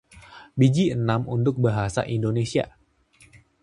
biji enam untuk bahasa Indonesia